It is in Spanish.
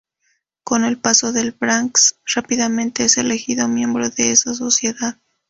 Con el apoyo de Banks, rápidamente es elegido miembro de esa sociedad.